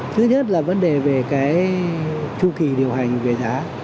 thứ nhất là vấn đề về cái chu kỳ điều hành về giá